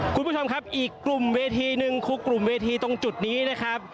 คุณผู้ชมครับอีกกลุ่มเวทีหนึ่งคือกลุ่มเวทีตรงจุดนี้นะครับ